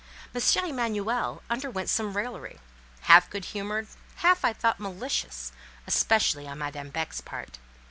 M. Emanuel underwent some raillery, half good humoured, half, I thought, malicious, especially on Madame Beck's part.